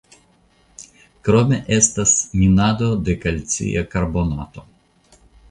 Krome estas minado de kalcia karbonato.